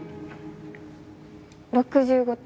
６５点。